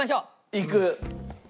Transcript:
いく。